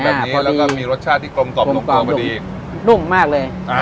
แบบนี้แล้วก็มีรสชาติที่กลมกล่อมลงตัวพอดีนุ่มมากเลยอ่า